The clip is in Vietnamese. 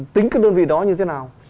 tính các đơn vị đó như thế nào